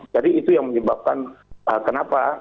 jadi itu yang menyebabkan kenapa